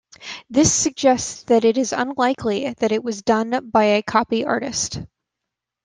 This suggests that it is unlikely that it was done by a copy artist.